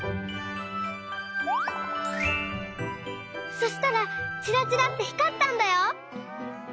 そしたらちらちらってひかったんだよ！